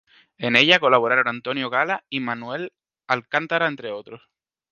En ella colaboraron Antonio Gala y Manuel Alcántara entre otros.